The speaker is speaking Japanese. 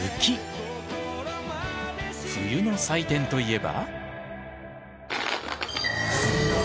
冬の祭典といえば。